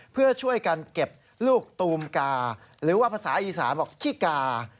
เพื่อช่วยกันเก็บลูกตูมกาหรือว่าภาษาอีสานบอกขี้กา